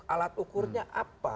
alat ukurnya apa